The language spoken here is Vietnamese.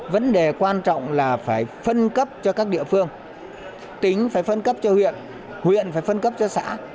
vấn đề quan trọng là phải phân cấp cho các địa phương tính phải phân cấp cho huyện huyện phải phân cấp cho xã